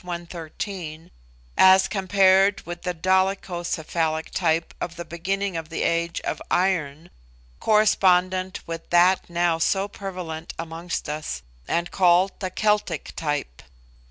113, as compared with the Dolichocephalic type of the beginning of the Age of Iron, correspondent with that now so prevalent amongst us, and called the Celtic type.